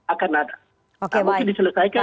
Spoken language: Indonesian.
akan ada mungkin diselesaikan